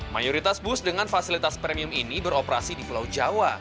mayoritas bus dengan fasilitas premium ini beroperasi di pulau jawa